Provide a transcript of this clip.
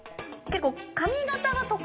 結構。